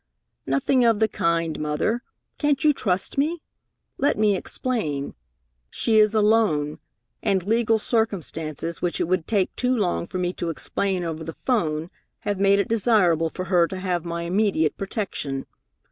"Nothing of the kind, Mother. Can't you trust me? Let me explain. She is alone, and legal circumstances which it would take too long for me to explain over the 'phone have made it desirable for her to have my immediate protection.